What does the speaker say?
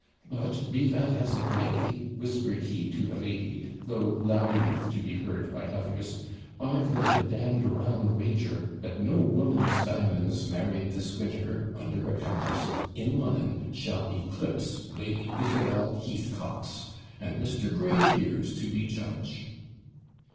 'But, be that as it may,' whispered he to the lady, though loud enough to be heard by others, 'I've laid a damned round wager, that no woman's diamonds married this winter, under a countess, in Lon'on, shall eclipse Lady Isabel Heathcock's! and Mr. Gray here's to be judge.'